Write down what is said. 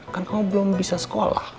kan kamu belum bisa sekolah